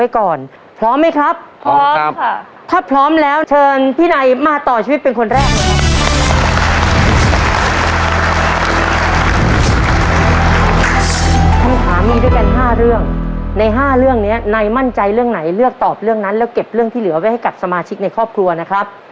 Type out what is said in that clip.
คำถามมีด้วยกัน๕เรื่องใน๕เรื่องนี้ในมั่นใจเรื่องไหนเลือกตอบเรื่องนั้นแล้วเก็บเรื่องที่เหลือไว้ให้กับสมาชิกในครอบครัวนะครับ